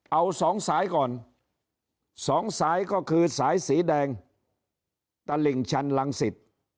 เอาสองสายก่อนสองสายก็คือสายสีแดงตลิ่งชันลังศิษย์